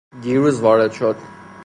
دیروز وارد شد